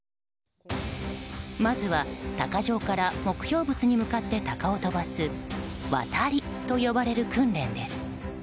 まずは鷹匠から目標物に向かって鷹を飛ばす渡りと呼ばれる訓練です。